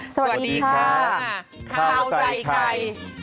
สวัสดีค่ะข้าวใส่ไข่